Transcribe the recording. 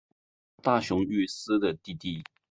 大熊裕司的弟弟。